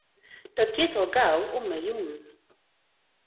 Dat giet al gau om miljoenen.